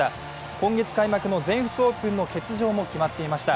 今月開幕の全仏オープンの欠場も決まっていました。